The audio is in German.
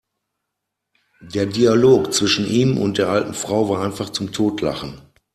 Der Dialog zwischen ihm und der alten Frau war einfach zum Totlachen!